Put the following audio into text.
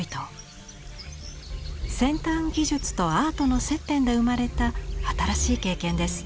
先端技術とアートの接点で生まれた新しい経験です。